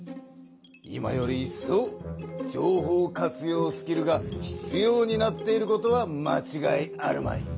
今よりいっそう情報活用スキルがひつようになっていることはまちがいあるまい。